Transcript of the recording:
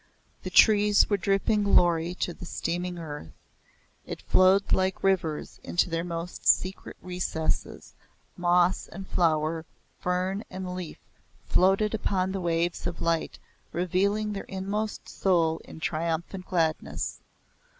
The trees were dripping glory to the steaming earth; it flowed like rivers into their most secret recesses, moss and flower, fern and leaf floated upon the waves of light revealing their inmost soul in triumphant gladness.